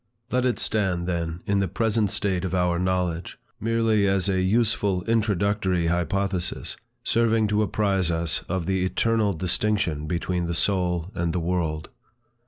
Let it stand, then, in the present state of our knowledge, merely as a useful introductory hypothesis, serving to apprize us of the eternal distinction between the soul and the world.